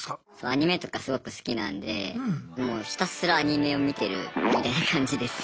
アニメとかすごく好きなんでもうひたすらアニメを見てるみたいな感じです。